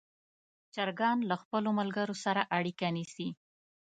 چرګان له خپلو ملګرو سره اړیکه نیسي.